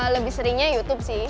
lebih seringnya youtube sih